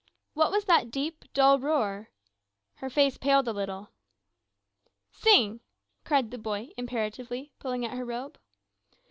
What was that deep, dull roar? Her face paled a little. "Sing!" cried the boy imperatively, pulling at her robe.